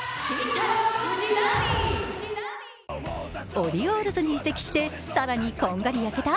オリオールズに移籍して更にこんがり焼けた？